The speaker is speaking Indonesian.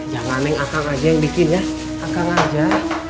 jangan neng akan aja yang bikin ya akan aja